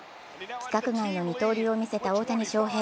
規格外の二刀流を見せた大谷翔平。